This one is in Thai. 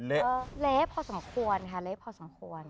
เละพอสมควรค่ะเละพอสมควร